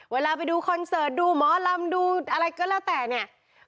เวลาไปดูคอนเสิร์ตดูหมอลำดูอะไรก็แล้วแต่เนี่ย